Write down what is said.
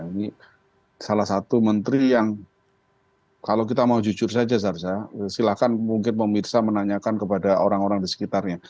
ini salah satu menteri yang kalau kita mau jujur saja sarsa silakan mungkin pemirsa menanyakan kepada orang orang di sekitarnya